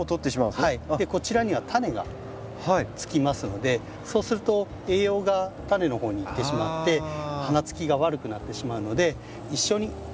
こちらには種がつきますのでそうすると栄養が種の方にいってしまって花つきが悪くなってしまうので一緒に取ってしまいましょう。